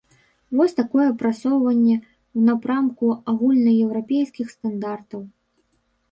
Вось такое прасоўванне ў напрамку агульнаеўрапейскіх стандартаў.